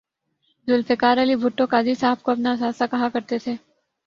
ذوالفقار علی بھٹو قاضی صاحب کو اپنا اثاثہ کہا کر تے تھے